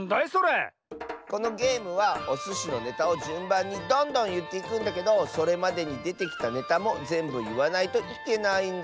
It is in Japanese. このゲームはおすしのネタをじゅんばんにどんどんいっていくんだけどそれまでにでてきたネタもぜんぶいわないといけないんだ。